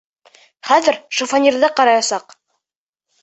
Хәҙер шифоньерҙы ҡараясаҡ!